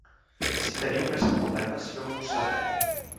Si teniu més problemes, feu-m'ho saber.